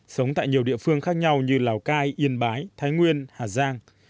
sống tại nhiều địa phương khác nhau như lào cai yên bái thái nguyên hà giang